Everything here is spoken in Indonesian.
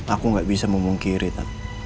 aku gak bisa memungkiri tapi